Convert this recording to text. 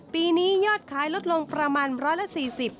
ปีนี้ยอดขายลดลงประมาณ๑๔๐บาท